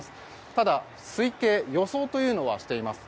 ただ、推定予想というのは把握しています。